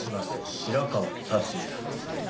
「白河達也」